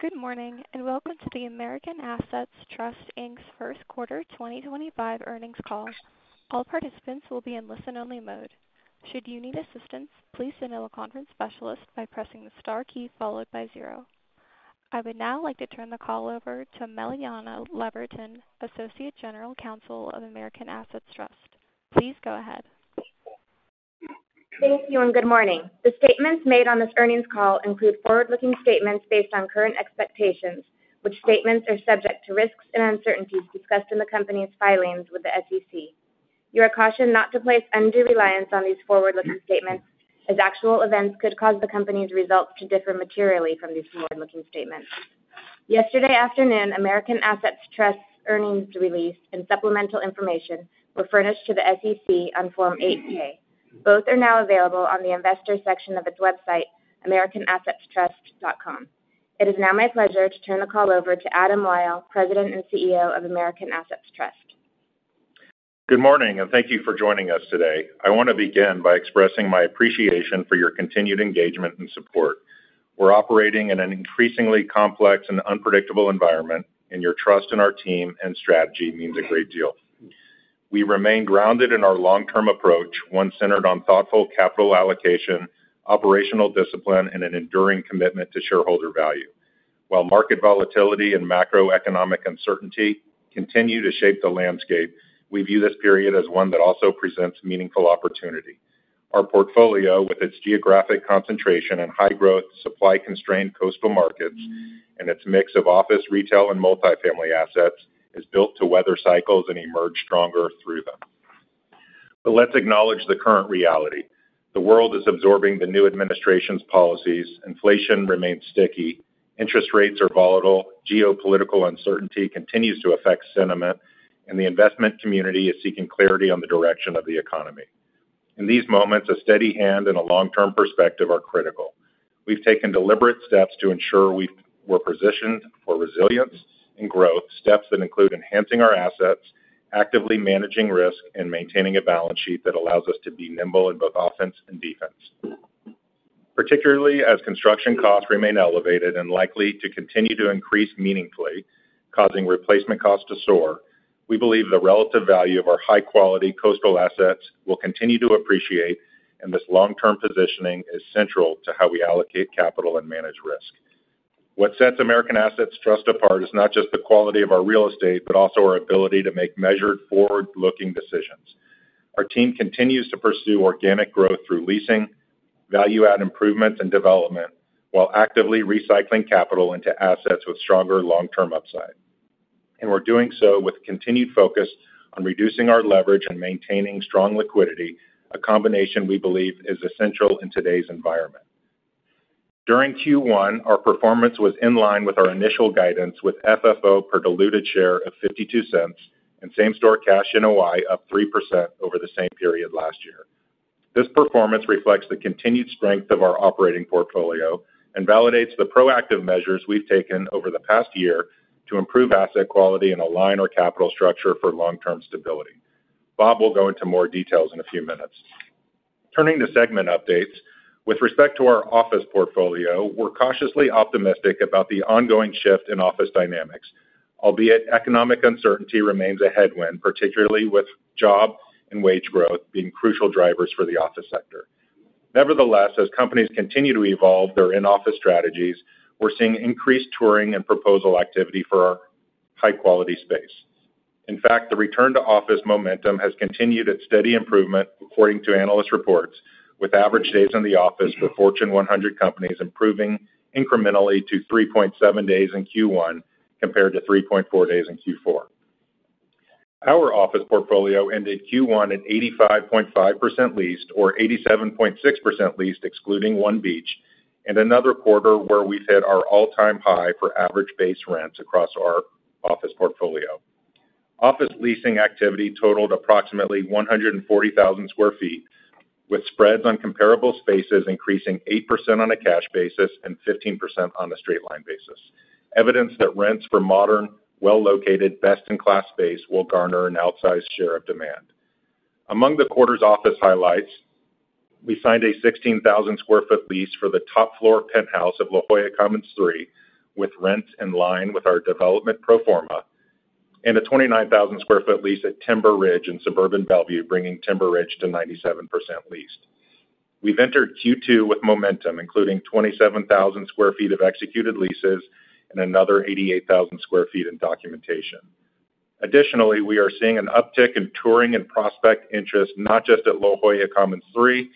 Good morning and welcome to the American Assets Trust First Quarter 2025 Earnings Call. All participants will be in listen-only mode. Should you need assistance, please email a conference specialist by pressing the star key followed by zero. I would now like to turn the call over to Meleana Leaverton, Associate General Counsel of American Assets Trust. Please go ahead. Thank you and good morning. The statements made on this earnings call include forward-looking statements based on current expectations, which statements are subject to risks and uncertainties discussed in the company's filings with the SEC. You are cautioned not to place undue reliance on these forward-looking statements as actual events could cause the company's results to differ materially from these forward-looking statements. Yesterday afternoon, American Assets Trust's earnings release and supplemental information were furnished to the SEC on Form 8-K. Both are now available on the investor section of its website, americanassetstrust.com. It is now my pleasure to turn the call over to Adam Wyll, President and CEO of American Assets Trust. Good morning and thank you for joining us today. I want to begin by expressing my appreciation for your continued engagement and support. We're operating in an increasingly complex and unpredictable environment, and your trust in our team and strategy means a great deal. We remain grounded in our long-term approach, one centered on thoughtful capital allocation, operational discipline, and an enduring commitment to shareholder value. While market volatility and macroeconomic uncertainty continue to shape the landscape, we view this period as one that also presents meaningful opportunity. Our portfolio, with its geographic concentration and high-growth, supply-constrained coastal markets, and its mix of office, retail, and multifamily assets, is built to weather cycles and emerge stronger through them. Let's acknowledge the current reality. The world is absorbing the new administration's policies. Inflation remains sticky. Interest rates are volatile. Geopolitical uncertainty continues to affect sentiment, and the investment community is seeking clarity on the direction of the economy. In these moments, a steady hand and a long-term perspective are critical. We've taken deliberate steps to ensure we're positioned for resilience and growth, steps that include enhancing our assets, actively managing risk, and maintaining a balance sheet that allows us to be nimble in both offense and defense. Particularly as construction costs remain elevated and likely to continue to increase meaningfully, causing replacement costs to soar, we believe the relative value of our high-quality coastal assets will continue to appreciate, and this long-term positioning is central to how we allocate capital and manage risk. What sets American Assets Trust apart is not just the quality of our real estate, but also our ability to make measured, forward-looking decisions. Our team continues to pursue organic growth through leasing, value-add improvements, and development, while actively recycling capital into assets with stronger long-term upside. We are doing so with continued focus on reducing our leverage and maintaining strong liquidity, a combination we believe is essential in today's environment. During Q1, our performance was in line with our initial guidance, with FFO per diluted share of $0.52 and same-store cash NOI in Hawaii of 3% over the same period last year. This performance reflects the continued strength of our operating portfolio and validates the proactive measures we have taken over the past year to improve asset quality and align our capital structure for long-term stability. Bob will go into more details in a few minutes. Turning to segment updates, with respect to our office portfolio, we're cautiously optimistic about the ongoing shift in office dynamics, albeit economic uncertainty remains a headwind, particularly with job and wage growth being crucial drivers for the office sector. Nevertheless, as companies continue to evolve their in-office strategies, we're seeing increased touring and proposal activity for our high-quality space. In fact, the return to office momentum has continued at steady improvement, according to analyst reports, with average days in the office for Fortune 100 companies improving incrementally to 3.7 days in Q1 compared to 3.4 days in Q4. Our office portfolio ended Q1 at 85.5% leased, or 87.6% leased, excluding One Beach, and another quarter where we've hit our all-time high for average base rents across our office portfolio. Office leasing activity totaled approximately 140,000 sq ft, with spreads on comparable spaces increasing 8% on a cash basis and 15% on a straight-line basis, evidence that rents for modern, well located, best in class space will garner an outsized share of demand. Among the quarter's office highlights, we signed a 16,000 sq ft lease for the top-floor penthouse of La Jolla Commons 3, with rents in line with our development pro forma, and a 29,000 sq ft lease at Timber Ridge in suburban Bellevue, bringing Timber Ridge to 97% leased. We've entered Q2 with momentum, including 27,000 sq ft of executed leases and another 88,000 sq ft in documentation. Additionally, we are seeing an uptick in touring and prospect interest, not just at La Jolla Commons 3,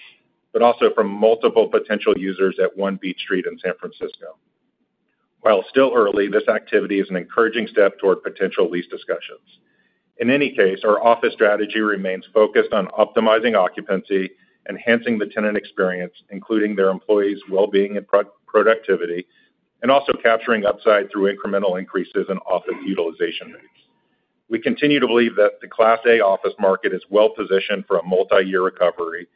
but also from multiple potential users at One Beach Street in San Francisco. While still early, this activity is an encouraging step toward potential lease discussions. In any case, our office strategy remains focused on optimizing occupancy, enhancing the tenant experience, including their employees' well-being and productivity, and also capturing upside through incremental increases in office utilization rates. We continue to believe that the Class A office market is well-positioned for a multi-year recovery,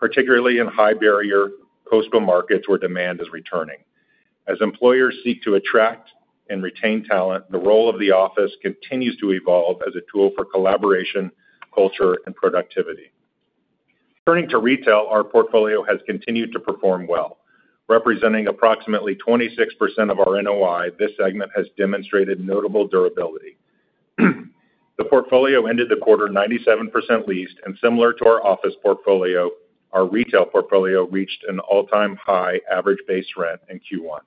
particularly in high-barrier coastal markets where demand is returning. As employers seek to attract and retain talent, the role of the office continues to evolve as a tool for collaboration, culture, and productivity. Turning to retail, our portfolio has continued to perform well. Representing approximately 26% of our NOI, this segment has demonstrated notable durability. The portfolio ended the quarter 97% leased, and similar to our office portfolio, our retail portfolio reached an all-time high average base rent in Q1.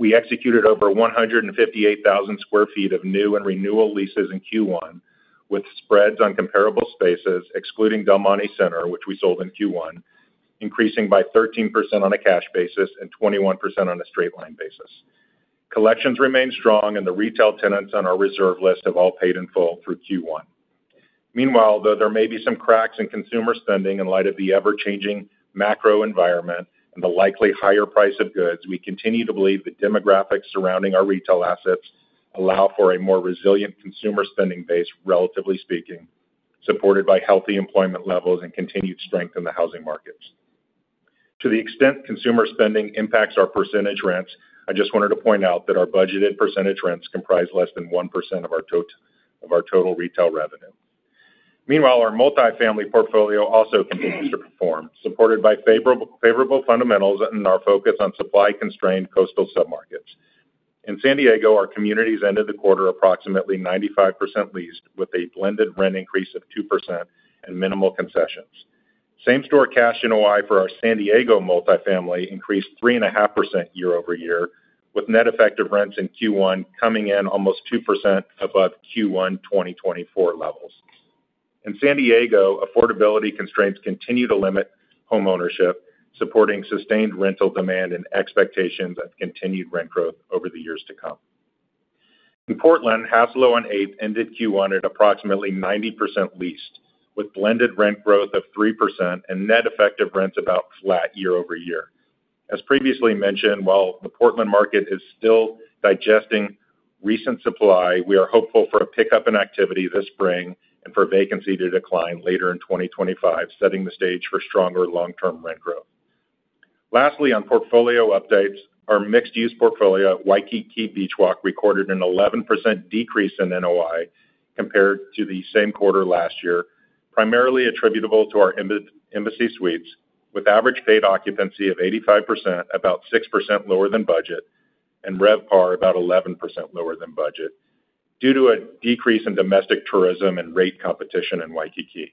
We executed over 158,000 sq ft of new and renewal leases in Q1, with spreads on comparable spaces, excluding Del Monte Center, which we sold in Q1, increasing by 13% on a cash basis and 21% on a straight-line basis. Collections remain strong, and the retail tenants on our reserve list have all paid in full through Q1. Meanwhile, though there may be some cracks in consumer spending in light of the ever-changing macro environment and the likely higher price of goods, we continue to believe the demographics surrounding our retail assets allow for a more resilient consumer spending base, relatively speaking, supported by healthy employment levels and continued strength in the housing markets. To the extent consumer spending impacts our percentage rents, I just wanted to point out that our budgeted percentage rents comprise less than 1% of our total retail revenue. Meanwhile, our multifamily portfolio also continues to perform, supported by favorable fundamentals and our focus on supply-constrained coastal submarkets. In San Diego, our communities ended the quarter approximately 95% leased, with a blended rent increase of 2% and minimal concessions. Same-store cash NOI for our San Diego multifamily increased 3.5% year-over-year, with net effective rents in Q1 coming in almost 2% above Q1 2024 levels. In San Diego, affordability constraints continue to limit homeownership, supporting sustained rental demand and expectations of continued rent growth over the years to come. In Portland, Haslow on 8th ended Q1 at approximately 90% leased, with blended rent growth of 3% and net effective rents about flat year-over-year. As previously mentioned, while the Portland market is still digesting recent supply, we are hopeful for a pickup in activity this spring and for vacancy to decline later in 2025, setting the stage for stronger long-term rent growth. Lastly, on portfolio updates, our mixed-use portfolio at Waikiki Beachwalk recorded an 11% decrease in NOI compared to the same quarter last year, primarily attributable to our Embassy Suites, with average paid occupancy of 85%, about 6% lower than budget, and RevPAR about 11% lower than budget due to a decrease in domestic tourism and rate competition in Waikiki.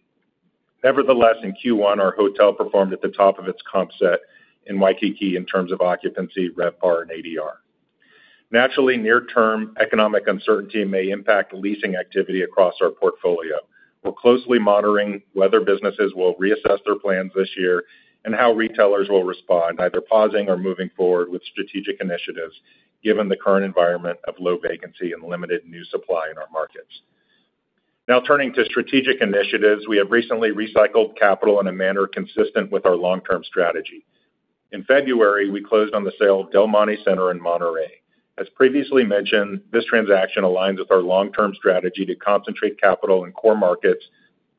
Nevertheless, in Q1, our hotel performed at the top of its comp set in Waikiki in terms of occupancy, RevPAR, and ADR. Naturally, near-term economic uncertainty may impact leasing activity across our portfolio. We're closely monitoring whether businesses will reassess their plans this year and how retailers will respond, either pausing or moving forward with strategic initiatives given the current environment of low vacancy and limited new supply in our markets. Now, turning to strategic initiatives, we have recently recycled capital in a manner consistent with our long-term strategy. In February, we closed on the sale of Del Monte Center in Monterey. As previously mentioned, this transaction aligns with our long-term strategy to concentrate capital in core markets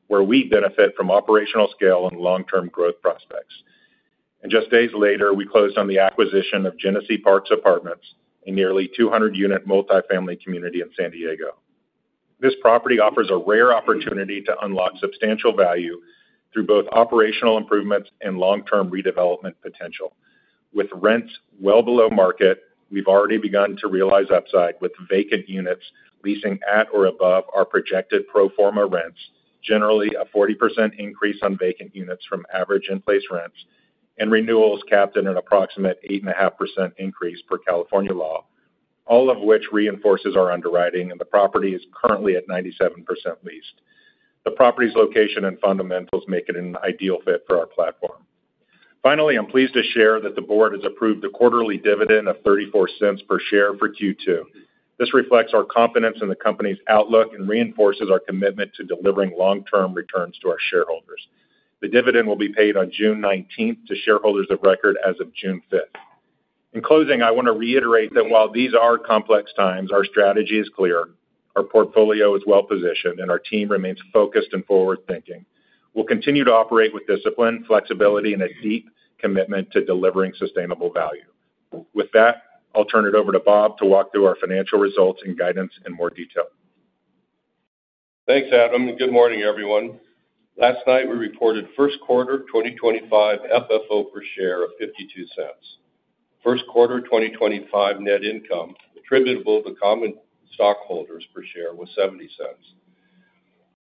where we benefit from operational scale and long-term growth prospects. Just days later, we closed on the acquisition of Genesee Parks Apartments, a nearly 200-unit multifamily community in San Diego. This property offers a rare opportunity to unlock substantial value through both operational improvements and long-term redevelopment potential. With rents well below market, we've already begun to realize upside with vacant units leasing at or above our projected pro forma rents, generally a 40% increase on vacant units from average in-place rents, and renewals capped at an approximate 8.5% increase per California law, all of which reinforces our underwriting, and the property is currently at 97% leased. The property's location and fundamentals make it an ideal fit for our platform. Finally, I'm pleased to share that the board has approved a quarterly dividend of $0.34 per share for Q2. This reflects our confidence in the company's outlook and reinforces our commitment to delivering long-term returns to our shareholders. The dividend will be paid on June 19th to shareholders of record as of June 5th. In closing, I want to reiterate that while these are complex times, our strategy is clear, our portfolio is well-positioned, and our team remains focused and forward-thinking. We'll continue to operate with discipline, flexibility, and a deep commitment to delivering sustainable value. With that, I'll turn it over to Bob to walk through our financial results and guidance in more detail. Thanks, Adam. Good morning, everyone. Last night, we reported first quarter 2025 FFO per share of $0.52. First quarter 2025 net income attributable to common stockholders per share was $0.70.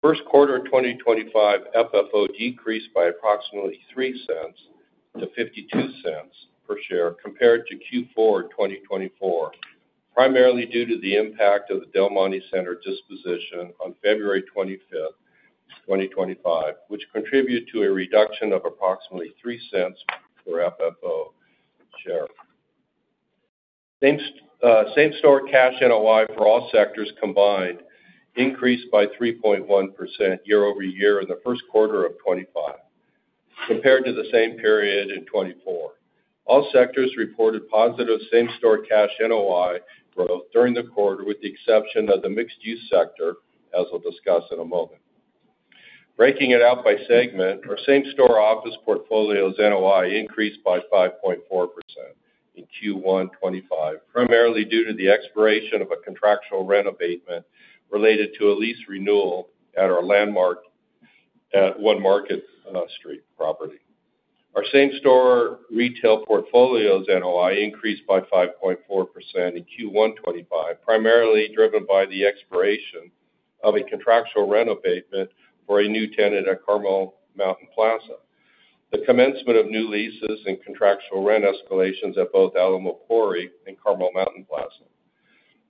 First quarter 2025 FFO decreased by approximately $0.03 to $0.52 per share compared to Q4 2024, primarily due to the impact of the Del Monte Center disposition on February 25, 2025, which contributed to a reduction of approximately $0.03 per FFO share. Same-store cash NOI for all sectors combined increased by 3.1% year-over-year in the first quarter of 2025 compared to the same period in 2024. All sectors reported positive same-store cash NOI growth during the quarter, with the exception of the mixed-use sector, as we'll discuss in a moment. Breaking it out by segment, our same-store office portfolio's NOI increased by 5.4% in Q1 2025, primarily due to the expiration of a contractual rent abatement related to a lease renewal at our Landmark at One Market Street property. Our same-store retail portfolio's NOI increased by 5.4% in Q1 2025, primarily driven by the expiration of a contractual rent abatement for a new tenant at Carmel Mountain Plaza, the commencement of new leases and contractual rent escalations at both Alamo Quarry and Carmel Mountain Plaza.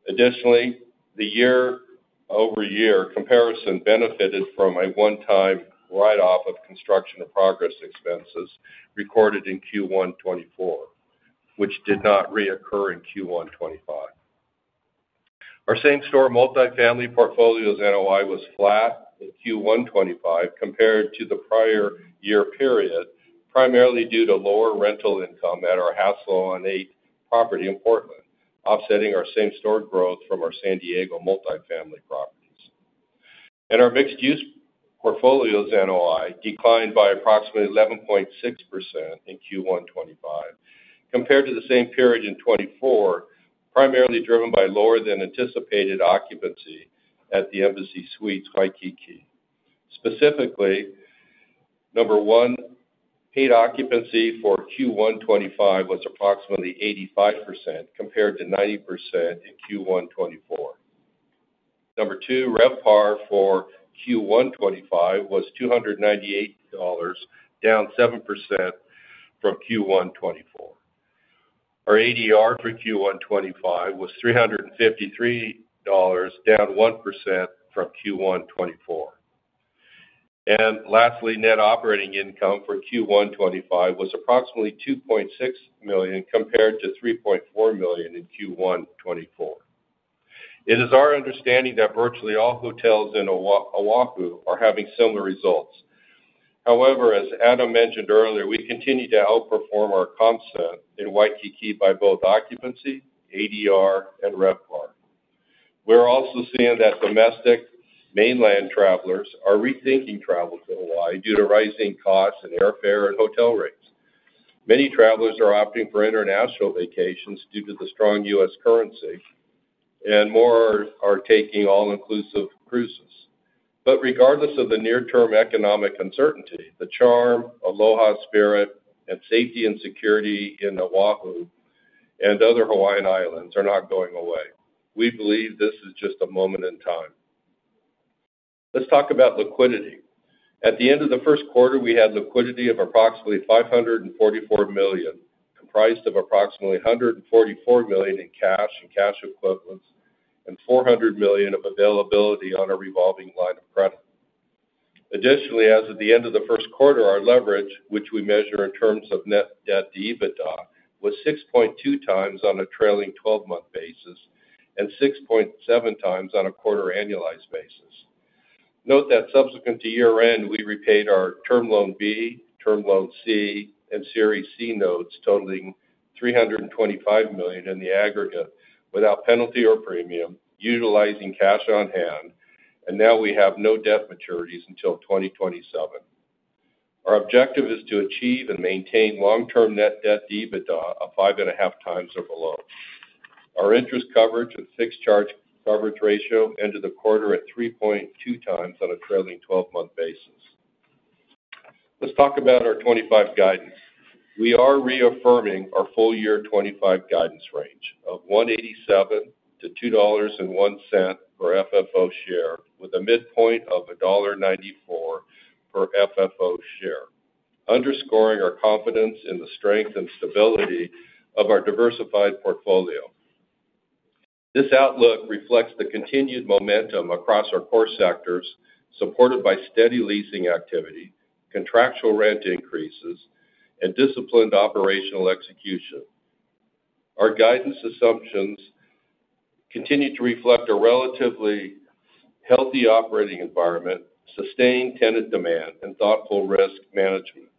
Additionally, the year-over-year comparison benefited from a one-time write-off of construction and progress expenses recorded in Q1 2024, which did not reoccur in Q1 2025. Our same-store multifamily portfolio's NOI was flat in Q1 2025 compared to the prior year period, primarily due to lower rental income at our Haslow on 8th property in Portland, offsetting our same-store growth from our San Diego multifamily properties. Our mixed-use portfolio's NOI declined by approximately 11.6% in Q1 2025 compared to the same period in 2024, primarily driven by lower than anticipated occupancy at the Embassy Suites Waikiki. Specifically, number one, paid occupancy for Q1 2025 was approximately 85% compared to 90% in Q1 2024. Number two, RevPAR for Q1 2025 was $298, down 7% from Q1 2024. Our ADR for Q1 2025 was $353, down 1% from Q1 2024. Lastly, net operating income for Q1 2025 was approximately $2.6 million compared to $3.4 million in Q1 2024. It is our understanding that virtually all hotels in Oahu are having similar results. However, as Adam mentioned earlier, we continue to outperform our comp set in Waikiki by both occupancy, ADR, and RevPAR. We are also seeing that domestic mainland travelers are rethinking travel to Hawaii due to rising costs in airfare and hotel rates. Many travelers are opting for international vacations due to the strong U.S. currency, and more are taking all-inclusive cruises. Regardless of the near-term economic uncertainty, the charm, aloha spirit, and safety and security in Oahu and other Hawaiian islands are not going away. We believe this is just a moment in time. Let's talk about liquidity. At the end of the first quarter, we had liquidity of approximately $544 million, comprised of approximately $144 million in cash and cash equivalents, and $400 million of availability on a revolving line of credit. Additionally, as of the end of the first quarter, our leverage, which we measure in terms of net debt to EBITDA, was 6.2 times on a trailing 12-month basis and 6.7 times on a quarter-annualized basis. Note that subsequent to year-end, we repaid our Term Loan B, Term Loan C, and Series C notes totaling $325 million in the aggregate without penalty or premium, utilizing cash on hand, and now we have no debt maturities until 2027. Our objective is to achieve and maintain long-term net debt to EBITDA of five and a half times or below. Our interest coverage and fixed charge coverage ratio ended the quarter at 3.2 times on a trailing 12-month basis. Let's talk about our 2025 guidance. We are reaffirming our full year 2025 guidance range of $1.87-$2.01 per FFO share, with a midpoint of $1.94 per FFO share, underscoring our confidence in the strength and stability of our diversified portfolio. This outlook reflects the continued momentum across our core sectors, supported by steady leasing activity, contractual rent increases, and disciplined operational execution. Our guidance assumptions continue to reflect a relatively healthy operating environment, sustained tenant demand, and thoughtful risk management.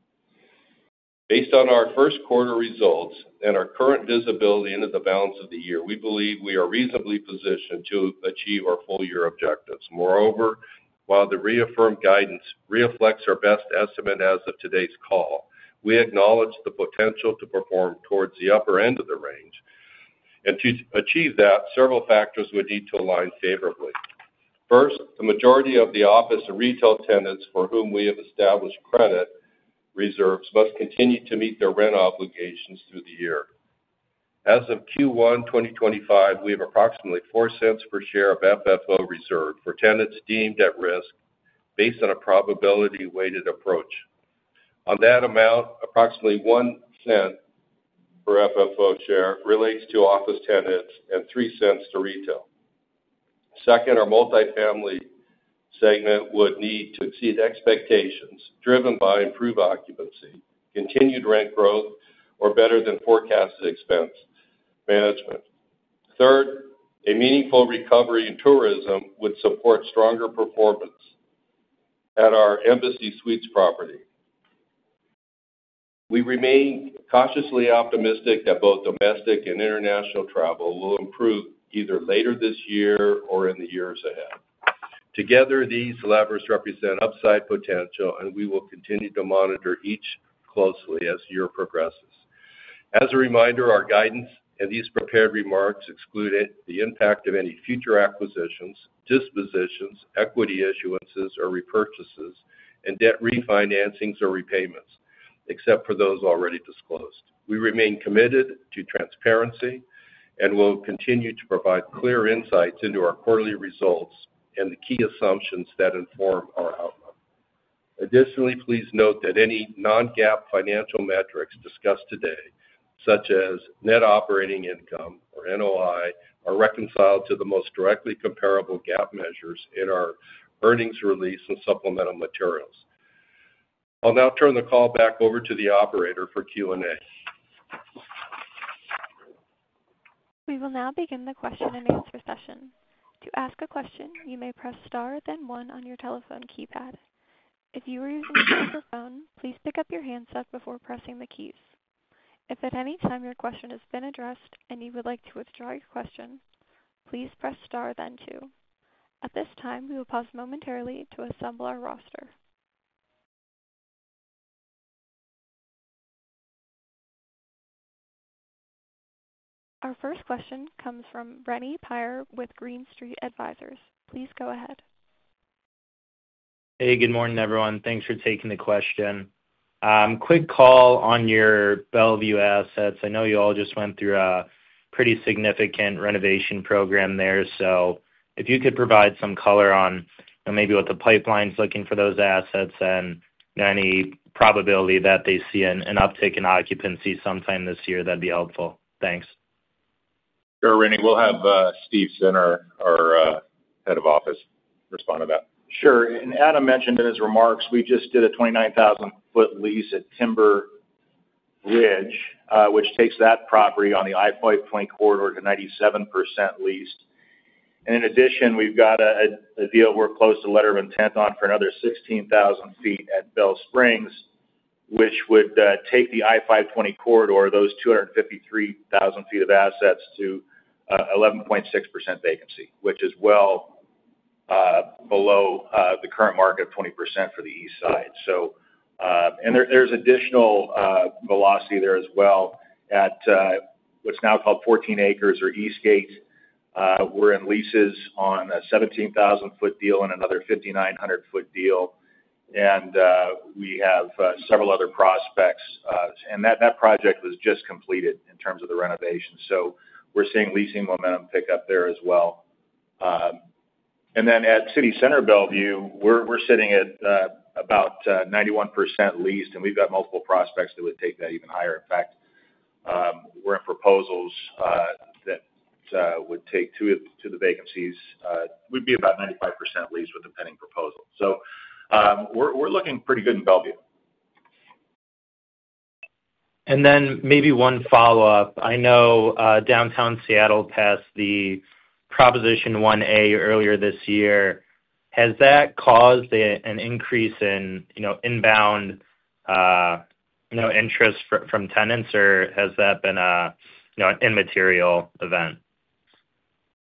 Based on our first quarter results and our current visibility into the balance of the year, we believe we are reasonably positioned to achieve our full year objectives. Moreover, while the reaffirmed guidance reflects our best estimate as of today's call, we acknowledge the potential to perform towards the upper end of the range. To achieve that, several factors would need to align favorably. First, the majority of the office and retail tenants for whom we have established credit reserves must continue to meet their rent obligations through the year. As of Q1 2025, we have approximately $0.04 per share of FFO reserved for tenants deemed at risk based on a probability-weighted approach. On that amount, approximately $0.01 per FFO share relates to office tenants and $0.03 to retail. Second, our multifamily segment would need to exceed expectations driven by improved occupancy, continued rent growth, or better than forecasted expense management. Third, a meaningful recovery in tourism would support stronger performance at our Embassy Suites property. We remain cautiously optimistic that both domestic and international travel will improve either later this year or in the years ahead. Together, these levers represent upside potential, and we will continue to monitor each closely as the year progresses. As a reminder, our guidance and these prepared remarks exclude the impact of any future acquisitions, dispositions, equity issuances or repurchases, and debt refinancings or repayments, except for those already disclosed. We remain committed to transparency and will continue to provide clear insights into our quarterly results and the key assumptions that inform our outlook. Additionally, please note that any non-GAAP financial metrics discussed today, such as net operating income or NOI, are reconciled to the most directly comparable GAAP measures in our earnings release and supplemental materials. I'll now turn the call back over to the operator for Q&A. We will now begin the question and answer session. To ask a question, you may press star, then one on your telephone keypad. If you are using a phone, please pick up your handset before pressing the keys. If at any time your question has been addressed and you would like to withdraw your question, please press star, then two. At this time, we will pause momentarily to assemble our roster. Our first question comes from Rennie Pire with Green Street Advisors. Please go ahead. Hey, good morning, everyone. Thanks for taking the question. Quick call on your Bellevue assets. I know you all just went through a pretty significant renovation program there. If you could provide some color on maybe what the pipeline's looking for those assets and any probability that they see an uptick in occupancy sometime this year, that'd be helpful. Thanks. Sure, Rennie. We'll have Steve Center, our head of office, respond to that. Sure. Adam mentioned in his remarks, we just did a 29,000 sq ft lease at Timber Ridge, which takes that property on the SR 520 Corridor to 97% leased. In addition, we've got a deal we're close to letter of intent on for another 16,000 sq ft at Bell Springs, which would take the SR 520 corridor, those 253,000 sq ft of assets, to 11.6% vacancy, which is well below the current market of 20% for the east side. There's additional velocity there as well at what's now called 14ACRES or Eastgate. We're in leases on a 17,000 sq ft deal and another 5,900 sq ft deal. We have several other prospects. That project was just completed in terms of the renovation. We're seeing leasing momentum pick up there as well. At City Center Bellevue, we're sitting at about 91% leased, and we've got multiple prospects that would take that even higher. In fact, we're in proposals that would take two of the vacancies. We'd be about 95% leased with a pending proposal. So we're looking pretty good in Bellevue. Maybe one follow-up. I know downtown Seattle passed the Proposition 1A earlier this year. Has that caused an increase in inbound interest from tenants, or has that been an immaterial event?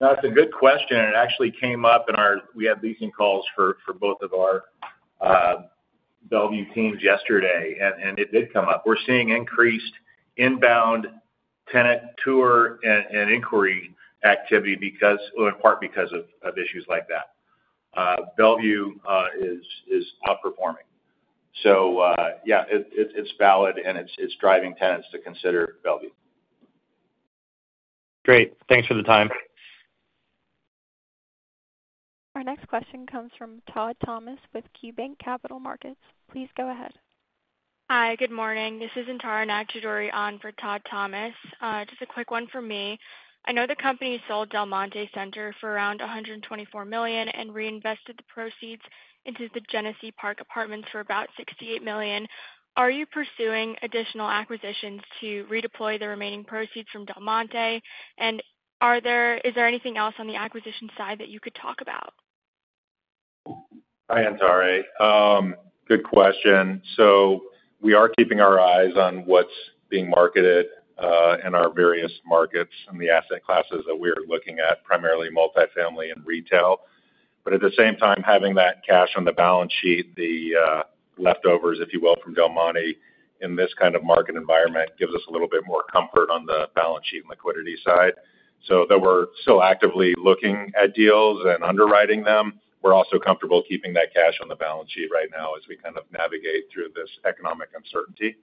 That's a good question. It actually came up in our—we had leasing calls for both of our Bellevue teams yesterday, and it did come up. We're seeing increased inbound tenant tour and inquiry activity in part because of issues like that. Bellevue is outperforming. Yeah, it's valid, and it's driving tenants to consider Bellevue. Great. Thanks for the time. Our next question comes from Todd Thomas with KeyBanc Capital Markets. Please go ahead. Hi, good morning. This is Antara Nag-Chaudhuri on for Todd Thomas. Just a quick one for me. I know the company sold Del Monte Center for around $124 million and reinvested the proceeds into the Genesee Parks Apartments for about $68 million. Are you pursuing additional acquisitions to redeploy the remaining proceeds from Del Monte? Is there anything else on the acquisition side that you could talk about? Hi, Antara. Good question. We are keeping our eyes on what's being marketed in our various markets and the asset classes that we are looking at, primarily multifamily and retail. At the same time, having that cash on the balance sheet, the leftovers, if you will, from Del Monte in this kind of market environment gives us a little bit more comfort on the balance sheet and liquidity side. Though we're still actively looking at deals and underwriting them, we're also comfortable keeping that cash on the balance sheet right now as we kind of navigate through this economic uncertainty.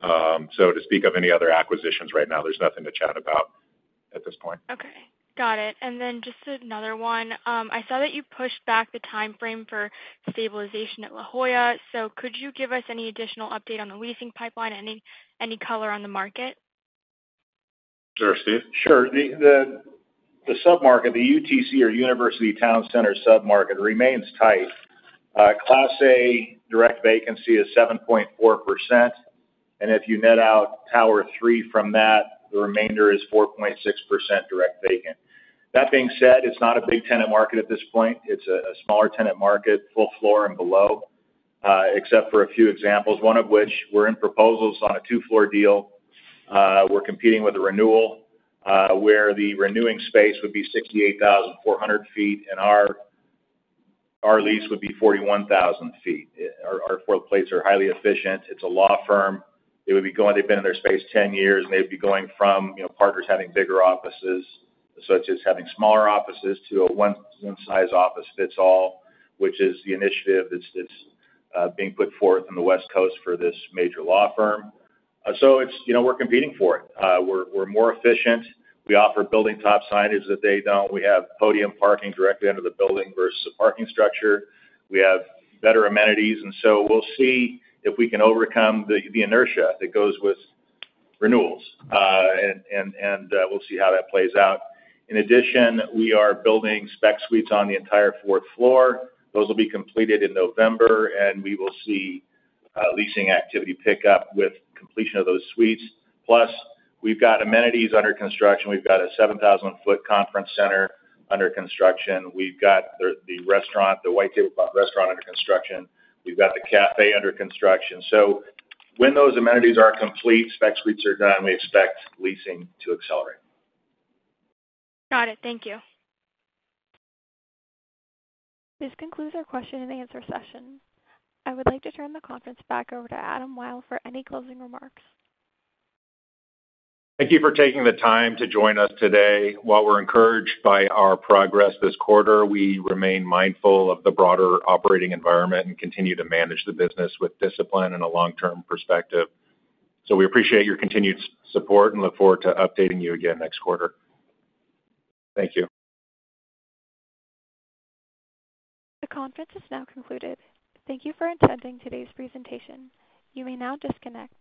To speak of any other acquisitions right now, there's nothing to chat about at this point. Okay. Got it. Just another one. I saw that you pushed back the timeframe for stabilization at La Jolla. Could you give us any additional update on the leasing pipeline, any color on the market? Sure, Steve. Sure. The submarket, the UTC or University Town Center submarket, remains tight. Class A direct vacancy is 7.4%. If you net out Tower 3 from that, the remainder is 4.6% direct vacant. That being said, it's not a big tenant market at this point. It's a smaller tenant market, full floor and below, except for a few examples, one of which we're in proposals on a two-floor deal. We're competing with a renewal where the renewing space would be 68,400 sq ft, and our lease would be 41,000 sq ft. Our places are highly efficient. It's a law firm. They've been in their space 10 years, and they'd be going from partners having bigger offices, such as having smaller offices, to a one-size-office-fits-all, which is the initiative that's being put forth on the West Coast for this major law firm. We're competing for it. We're more efficient. We offer building top signage that they don't. We have podium parking directly under the building versus a parking structure. We have better amenities. We'll see if we can overcome the inertia that goes with renewals, and we'll see how that plays out. In addition, we are building spec suites on the entire fourth floor. Those will be completed in November, and we will see leasing activity pick up with completion of those suites. Plus, we've got amenities under construction. We've got a 7,000 sq ft conference center under construction. We've got the restaurant, the white-table restaurant, under construction. We've got the cafe under construction. When those amenities are complete, spec suites are done, we expect leasing to accelerate. Got it. Thank you. This concludes our question and answer session. I would like to turn the conference back over to Adam Wyll for any closing remarks. Thank you for taking the time to join us today. While we're encouraged by our progress this quarter, we remain mindful of the broader operating environment and continue to manage the business with discipline and a long-term perspective. We appreciate your continued support and look forward to updating you again next quarter. Thank you. The conference is now concluded. Thank you for attending today's presentation. You may now disconnect.